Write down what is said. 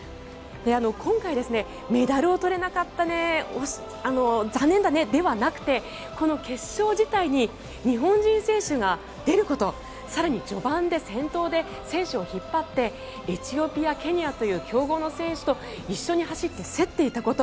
今回メダルを取れなかったね残念だね、ではなくてこの決勝自体に日本人選手が出ること更に、序盤で先頭で選手を引っ張ってエチオピア、ケニアという強豪の選手と一緒に走って競っていたこと。